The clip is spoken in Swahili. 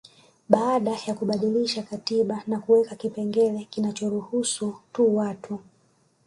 Baada ya kubadilisha katiba na kuweka kipengele kinachowaruhusu tu watu